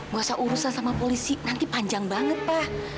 guasa urusan sama polisi nanti panjang banget pak